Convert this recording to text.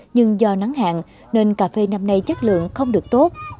nhưng do nắng hạn nên cà phê năm nay chất lượng không được tốt